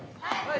はい！